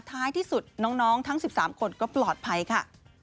ท้ายที่สุดน้องทั้ง๑๓คนก็ปลอดภัยค่ะ